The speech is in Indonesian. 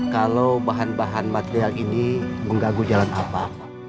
kalau bahan bahan material ini mengganggu jalan apa